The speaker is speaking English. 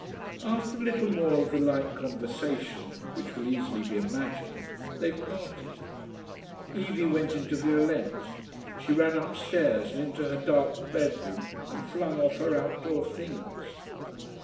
After a little more of the like conversation, which will easily be imagined, they parted. Evie went into Violette. She ran upstairs and into her dark bedroom and flung off her outdoor things.